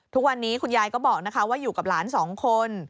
ทุกวันนี้คุณยายก็บอกว่าอยู่กับหลานสองคน